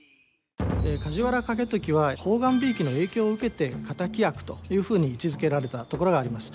梶原景時は判官びいきの影響を受けて敵役というふうに位置づけられたところがあります。